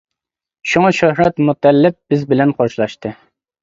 شۇڭا شۆھرەت مۇتەللىپ بىز بىلەن خوشلاشتى.